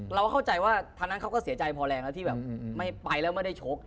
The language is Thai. เราเข้าใจว่าทางนั้นเขาก็เสียใจพอแรงแล้วที่แบบไม่ไปแล้วไม่ได้ชก